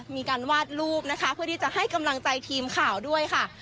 มีการวาดรูปนะคะเพื่อที่จะให้กำลังใจทีมข่าวด้วยค่ะ